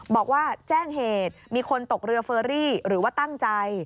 บอกว่าแจ้งเหตุมีคนตกเรือเฟอรี่หรือว่าตั้งใจ